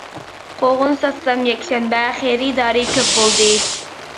قوغۇن ساتسام يەكشەنبە، خېرىدارى كۆپ بولدى.